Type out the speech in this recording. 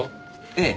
ええ。